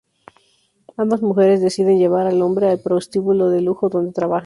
Ambas mujeres deciden llevar al hombre al prostíbulo de lujo donde trabajan.